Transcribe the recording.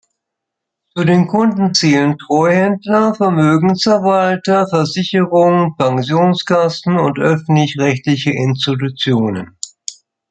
Zu den Kunden zählen Treuhänder, Vermögensverwalter, Versicherungen, Pensionskassen und öffentlich-rechtliche Institutionen.